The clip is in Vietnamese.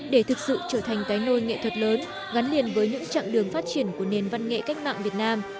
để thực sự trở thành cái nôi nghệ thuật lớn gắn liền với những chặng đường phát triển của nền văn nghệ cách mạng việt nam